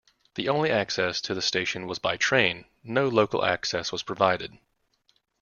The only access to the station was by train; no local access was provided.